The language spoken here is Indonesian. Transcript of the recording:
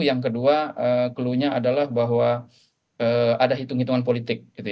yang kedua clue nya adalah bahwa ada hitung hitungan politik